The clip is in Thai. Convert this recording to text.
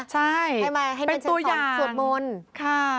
ใช่เป็นตัวอย่างค่ะให้มาสวดมนต์